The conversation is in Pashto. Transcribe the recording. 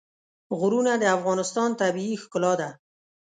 غرونه د افغانستان طبیعي ښکلا ده.